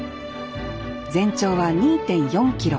全長は２．４キロ。